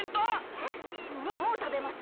えっももうたべます？